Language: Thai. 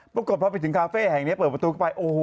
ปรากฏพอไปถึงคาเฟ่แห่งนี้เปิดประตูเข้าไปโอ้โห